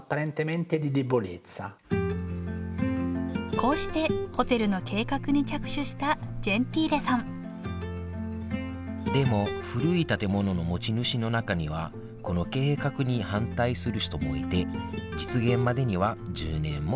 こうしてホテルの計画に着手したジェンティーレさんでも古い建物の持ち主の中にはこの計画に反対する人もいて実現までには１０年もかかったそうだよ